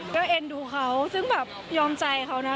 ก็เอ็นดูเขาซึ่งแบบยอมใจเขานะ